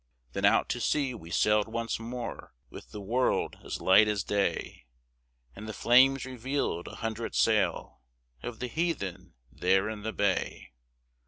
Then out to sea we sailed once more With the world as light as day, And the flames revealed a hundred sail Of the heathen there in the bay.